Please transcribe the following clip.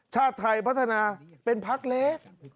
ชาติไทยพัฒนาเป็นพักเล็ก